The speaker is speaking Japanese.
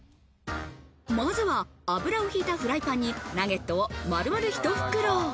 まずは油をひいたフライパンにナゲットを丸々ひと袋。